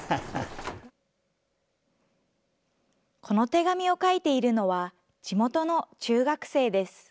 この手紙を書いているのは、地元の中学生です。